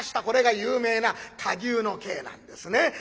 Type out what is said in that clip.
これが有名な火牛の計なんですね。